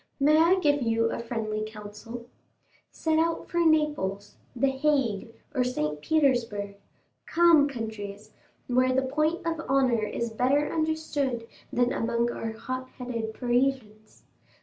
May I give you a friendly counsel? Set out for Naples, the Hague, or St. Petersburg—calm countries, where the point of honor is better understood than among our hot headed Parisians.